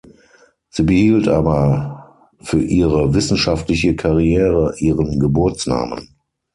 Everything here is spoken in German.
Sie behielt aber für ihre wissenschaftliche Karriere ihren Geburtsnamen.